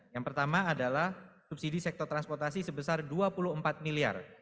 yang pertama adalah subsidi sektor transportasi sebesar rp dua puluh empat miliar